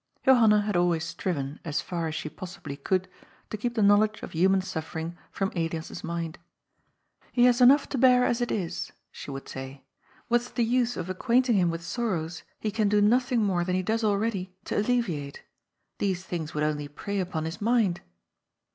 " Johanna had always striven, as far as she possibly could, to keep the knowledge of human suffering from Elias's mind. ^^ He has enough to bear as it is," she would say. " What is the use of acquainting him with sorrows he can do nothing more than he does already to alleviate? These things would only prey upon his mind."